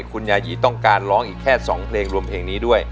คุณยายีต้องการร้องอีกแค่๒เพลงรวมเพลงนี้ด้วย